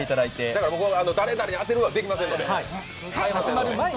だから僕が誰々に当てるはできませんので。